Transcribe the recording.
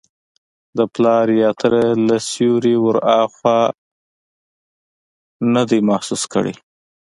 د پلار یا تره له سیوري وراخوا نه دی محسوس کړی.